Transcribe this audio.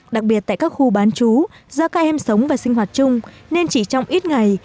đặc biệt tại các khu bán chú do các em sống và sinh hoạt chung nên chỉ trong ít ngày